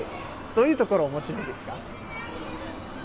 どういうところ、おもしろいですか？